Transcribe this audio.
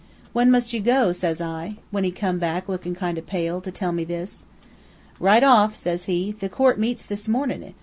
"'When must you go?' says I, when he come, lookin' a kind o' pale, to tell me this. "'Right off,' says he. 'The court meets this mornin'.